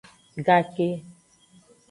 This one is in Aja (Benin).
Gake.